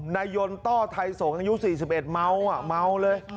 นายนต้อไทยสงฆ์อายุ๔๑เมาเมาเลย